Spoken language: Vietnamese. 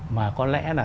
mà có lẽ là